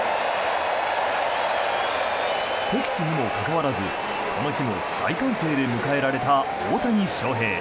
敵地にもかかわらず、この日も大歓声で迎えられた大谷翔平。